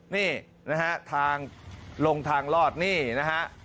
นี่นะฮะทางลงทางรอดนี่นะฮะ